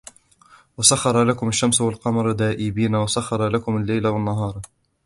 وسخر لكم الشمس والقمر دائبين وسخر لكم الليل والنهار